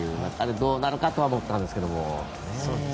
どうなるのかとは思ったんですけど。